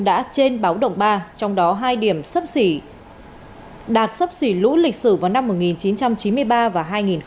đã trên báo động ba trong đó hai điểm sấp xỉ đạt sấp xỉ lũ lịch sử vào năm một nghìn chín trăm chín mươi ba và hai nghìn hai mươi